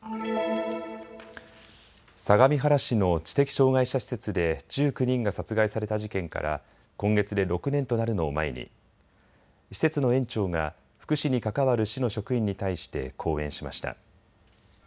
相模原市の知的障害者施設で１９人が殺害された事件から今月で６年となるのを前に施設の園長が福祉に関わる市の職員に対して講演しました。